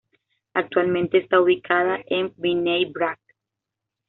Actualmente está ubicada en Bnei Brak.